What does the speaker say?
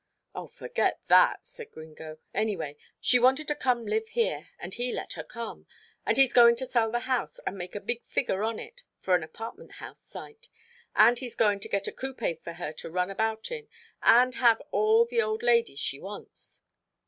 "Oh! forget that," said Gringo, "anyway, she wanted to come live here, and he let her come, and he's going to sell the house, and make a big figure on it for an apartment house site, and he's going to get a coupé for her to run about in, and have all the old ladies she wants."